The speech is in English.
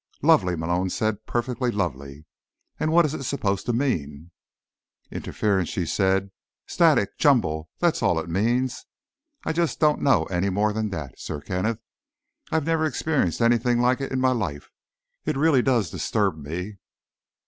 "Lovely," Malone said. "Perfectly lovely. And what is it supposed to mean?" "Interference," she said. "Static. Jumble. That's all it means. I just don't know any more than that, Sir Kenneth; I've never experienced anything like it in my life. It really does disturb me."